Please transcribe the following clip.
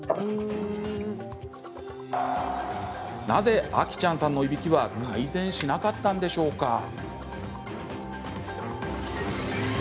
なぜ、あきちゃんさんのいびきは改善しなかったんでしょうか？